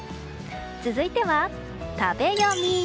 続いては、食べヨミ。